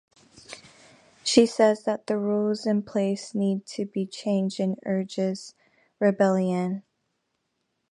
She says that the rules in place need to be changed and urges rebellion.